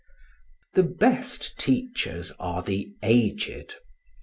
The best teachers are the aged.